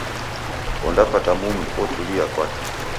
Ondapata mumi, otulia kwake